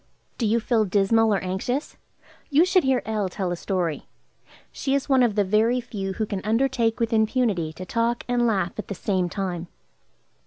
Do you feel dismal, or anxious? You should hear L. tell a story. She is one of the very few who can undertake with impunity to talk and laugh at the same time.